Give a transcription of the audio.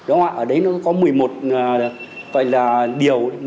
ở đấy nó có một mươi một điều